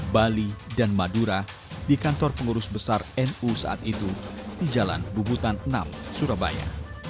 bali dan madura di kantor pengurus besar nu saat itu di jalan bubutan enam surabaya